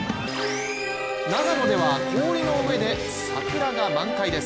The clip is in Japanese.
長野では氷の上で桜が満開です。